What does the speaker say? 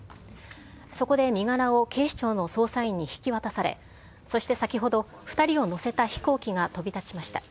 そこで身柄を警視庁の捜査員に引き渡され、そして先ほど、２人を乗せた飛行機が飛び立ちました。